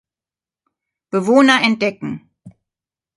Bewohner entdecken.